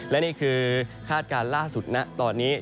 และนี่คือคาดการณ์ล่าสุดนะตอนนี้